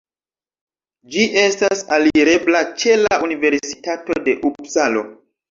Ĝi estas alirebla ĉe la universitato de Upsalo.